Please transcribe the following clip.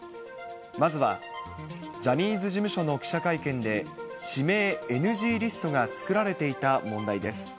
まずはジャニーズ事務所の記者会見で、指名ＮＧリストが作られていた問題です。